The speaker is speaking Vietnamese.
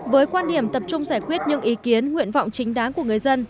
với quan điểm tập trung giải quyết những ý kiến nguyện vọng chính đáng của người dân